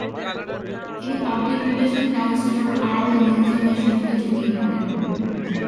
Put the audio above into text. তিনি public relation counsellor Earl নিউজমের সঙ্গে জড়িয়ে পরেন।